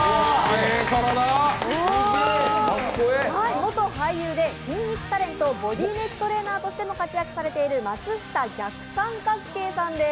元俳優で筋肉タレントボディメイクトレーナーとしても活躍されている松下▽さんです。